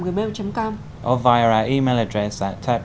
hẹn gặp lại trong các bài hát tiếp theo